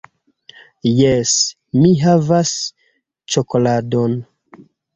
Jes, mi havas ĉokoladon